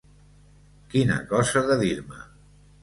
Quina cosa de dir-me!